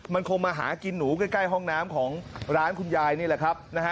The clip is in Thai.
มันคงมาหากินหนูใกล้ห้องน้ำของร้านคุณยายนี่แหละครับนะฮะ